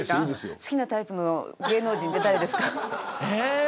好きなタイプの芸能人はって誰ですか。